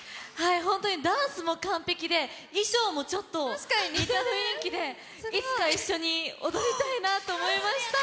ダンスも完璧で衣装も、ちょっと似た雰囲気でいつか一緒に踊りたいなと思いました。